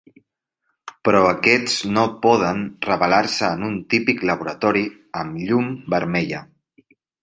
Però aquests no poden revelar-se en un típic laboratori amb llum vermella.